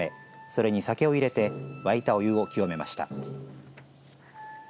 それに酒を入れて沸いたお湯を清めました。